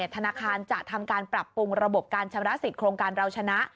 ธนาคารจะทำการปรับปรุงระบบการชำระสิทธิโครงการเราชนะ